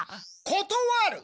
ことわる！